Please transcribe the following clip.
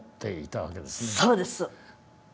そうです。